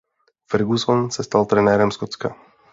Ferguson se stal trenérem Skotska.